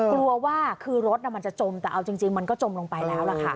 กลัวว่าคือรถมันจะจมแต่เอาจริงมันก็จมลงไปแล้วล่ะค่ะ